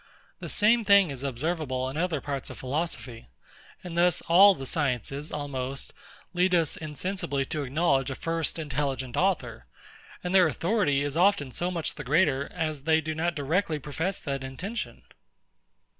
The same thing is observable in other parts of philosophy: And thus all the sciences almost lead us insensibly to acknowledge a first intelligent Author; and their authority is often so much the greater, as they do not directly profess that intention.